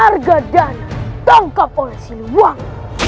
arga dana ditangkap oleh si luang